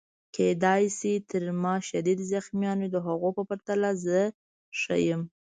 کیدای شي تر ما شدید زخمیان وي، د هغو په پرتله زه ښه یم.